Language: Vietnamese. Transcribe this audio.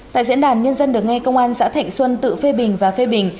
tại diễn đàn nhân dân được nghe công an xã thạnh xuân tự phê bình và phê bình